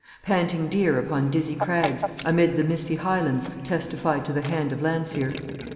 Panting deer upon dizzy crags, amid the misty Highlands, testified to the hand of Landseer.